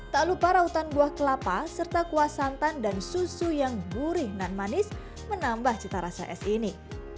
tak lupa rautan buah kelapa serta kuah santan dan susu yang gurih dan manis menambah cita rasa es ini